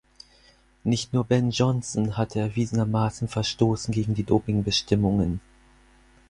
Nicht nur Ben Johnson hatte erwiesenermaßen verstoßen gegen die Dopingbestimmungen.